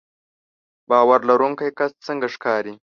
باور لرونکی کس څنګه ښکاري